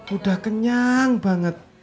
udah kenyang banget